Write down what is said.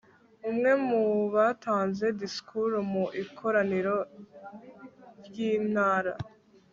umwe mu batanze disikuru mu ikoraniro ry intara